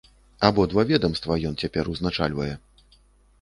Абодва ведамства ён цяпер узначальвае.